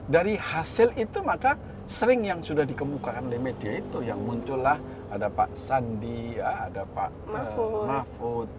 dari hasil itu maka sering yang sudah dikemukakan oleh media itu yang muncullah ada pak sandi ada pak mahfud